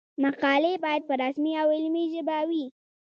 مقالې باید په رسمي او علمي ژبه وي.